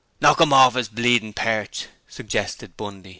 'Knock 'im orf 'is bleedin' perch,' suggested Bundy.